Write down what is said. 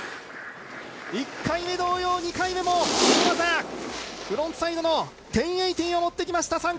１回目同様２回目もフロントサイドの１０８０を持ってきました。